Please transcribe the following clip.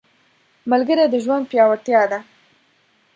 ملګری د ژوند پیاوړتیا ده